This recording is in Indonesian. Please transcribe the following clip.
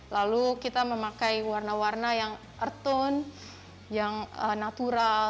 lalu kita memakai warna warna yang earthon yang natural